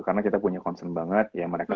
karena kita punya concern banget yang mereka